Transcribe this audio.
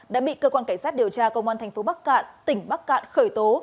đã bị cơ quan cảnh sát điều tra công an tp bắc cạn tỉnh bắc cạn khởi tố